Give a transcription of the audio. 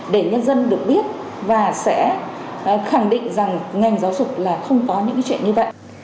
để nhân dân được biết và sẽ khẳng định rằng ngành giáo dục là không có những cái chuyện như vậy